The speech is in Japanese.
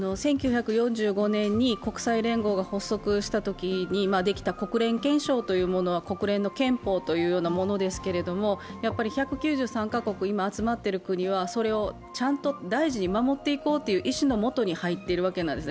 １９４５年に国際連合が発足したときにできた国連憲章というものは国連の憲法というようなものですが、１９３カ国、今集まっている国は、それを大事に守っていこうという意思のもとに入っているわけですね。